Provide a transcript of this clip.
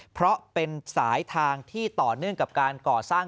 เพราะเป็นสายทางที่ต่อเนื่องกับการก่อสร้าง